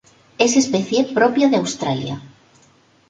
Es especie propia de Australia.